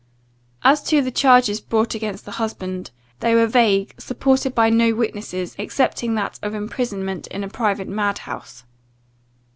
As to the charges brought against the husband, they were vague, supported by no witnesses, excepting that of imprisonment in a private madhouse.